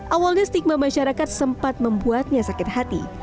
awalnya stigma masyarakat sempat membuatnya sakit hati